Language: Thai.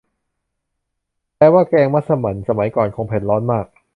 แปลว่าแกงมัสหมั่นสมัยก่อนคงเผ็ดร้อนมาก